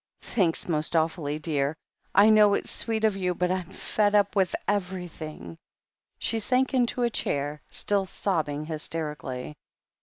Thank's most awfully, dear. I know it's sweet of you — but I'm fed up with everything." She sank into a chair, still sobbing hysterically.